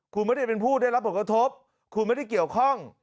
คุณไม่ได้เป็นผู้ได้รับผลกระทบคุณไม่ได้เกี่ยวข้อง